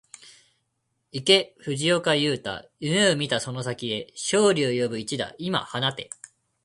行け藤岡裕大、夢見たその先へ、勝利を呼ぶ一打、今放て